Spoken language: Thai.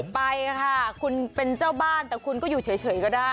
ไปค่ะคุณเป็นเจ้าบ้านแต่คุณก็อยู่เฉยก็ได้